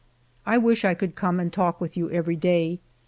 I wish I could come and talk with you every day.